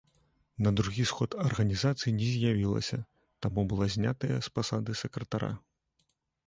На другі сход арганізацыі не з'явілася, таму была знятая з пасады сакратара.